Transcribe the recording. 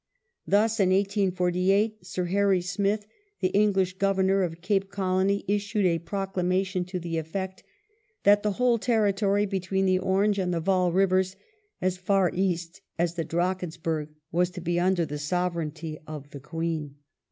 Thus in 1848 Sir Harry Smith, the English Governor of Cape Colony, issued a pro clamation to the effect that " the whole territory between the Orange and Vaal Rivei s as far east as the Drakensberg was to be under the Sovereignty of the Queen